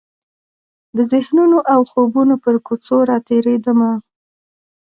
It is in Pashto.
د ذهنونو او خوبونو پر کوڅو راتیریدمه